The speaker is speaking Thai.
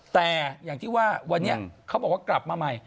แต่อย่างที่ว่าวันนี้เขาบอกว่ากลับมาใหม่